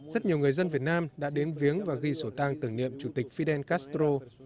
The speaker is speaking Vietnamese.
rất nhiều người dân việt nam đã đến viếng và ghi sổ tang tưởng niệm chủ tịch fidel castro